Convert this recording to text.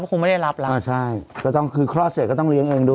คงไม่ได้รับแล้วอ่าใช่ก็ต้องคือคลอดเสร็จก็ต้องเลี้ยงเองด้วย